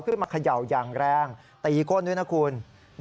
ขึ้นมาเขย่ายังแรงตีก้นด้วยนะคุณ